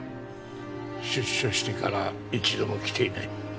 出所してから一度も来ていない。